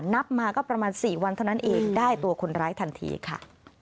นับมาก็ประมาณ๔วันเท่านั้นเองได้ตัวคนร้ายทันทีค่ะ